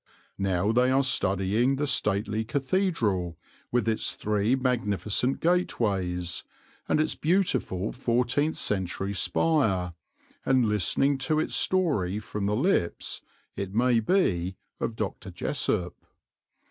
Now they are studying the stately cathedral, with its three magnificent gateways, and its beautiful fourteenth century spire, and listening to its story from the lips, it may be, of Dr. Jessopp.